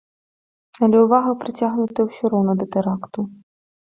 Але ўвага прыцягнутая ўсё роўна да тэракту.